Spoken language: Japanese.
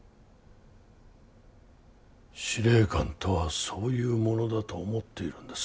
司令官とはそういうものだと思っているんです。